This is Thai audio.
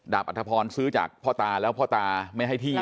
อัธพรซื้อจากพ่อตาแล้วพ่อตาไม่ให้ที่